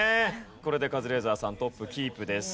これでカズレーザーさんトップキープです。